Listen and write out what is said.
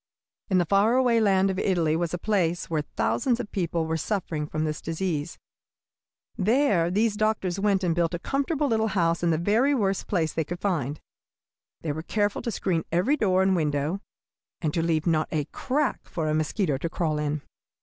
In the faraway land of Italy was a place where thousands of people were suffering from this disease. There these doctors went and built a comfortable little house in the very worst place they could find. They were careful to screen every door and window, and to leave not a crack for a mosquito to crawl in.